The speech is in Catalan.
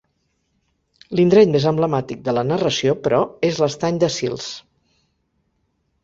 L'indret més emblemàtic de la narració, però, és l'estany de Sils.